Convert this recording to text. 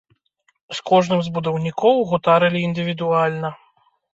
З кожным з будаўнікоў гутарылі індывідуальна.